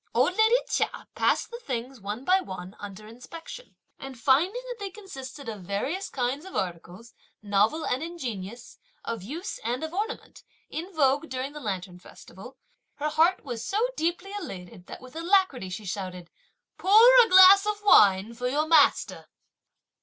Old lady Chia passed the things, one by one, under inspection; and finding that they consisted of various kinds of articles, novel and ingenious, of use and of ornament, in vogue during the lantern festival, her heart was so deeply elated that with alacrity she shouted, "Pour a glass of wine for your master!"